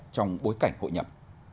trong bối cảnh hội nhập